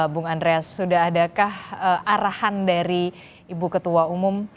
bung andreas sudah adakah arahan dari ibu ketua umum